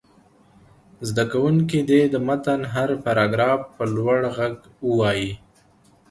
زده کوونکي دې د متن هر پراګراف په لوړ غږ ووايي.